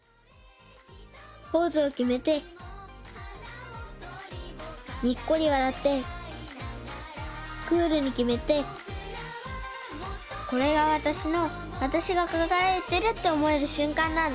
ポーズをきめてにっこりわらってクールにきめてこれがわたしのわたしがかがやいてるっておもえるしゅんかんなんだ。